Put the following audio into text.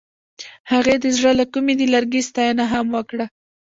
هغې د زړه له کومې د لرګی ستاینه هم وکړه.